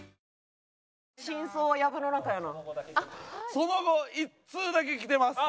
その後１通だけきてます。